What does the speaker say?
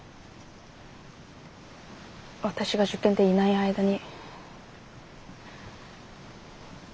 私が受験でいない間に。